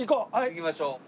行きましょう。